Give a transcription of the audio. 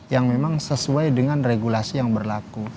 yang memang sesuai dengan regulasi yang berlaku